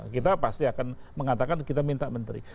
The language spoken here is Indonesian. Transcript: kita pasti akan mengatakan kita minta menteri